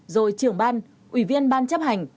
rồi trưởng ban ủy viên ban chấp hành